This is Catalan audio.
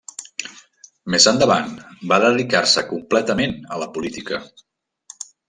Més endavant va dedicar-se completament a la política.